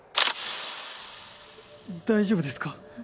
大丈夫ですか？